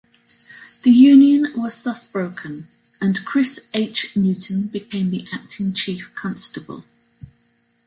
The union was thus broken, and Chris H. Newton became the acting Chief Constable.